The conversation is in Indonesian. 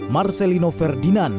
marcelino ferdinand mengaku keinginan